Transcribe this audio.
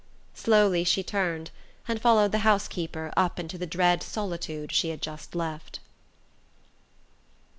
Slowly she turned, and followed the housekeeper up into the dread solitude she had just left.